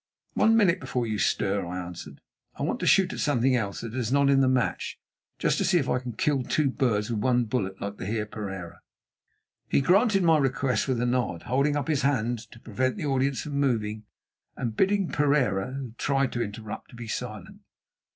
"One minute before you stir," I answered. "I want to shoot at something else that is not in the match, just to see if I can kill two birds with one bullet like the Heer Pereira." He granted my request with a nod, holding up his hand to prevent the audience from moving, and bidding Pereira, who tried to interrupt, to be silent.